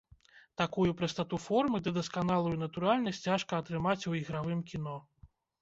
Такую прастату формы ды дасканалую натуральнасць цяжка атрымаць у ігравым кіно.